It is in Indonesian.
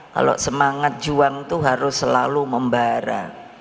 kalau semangat juang itu harus selalu membara